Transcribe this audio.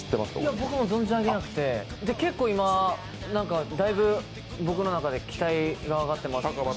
僕も存じ上げなくて今、だいぶ僕の中で期待があがっています。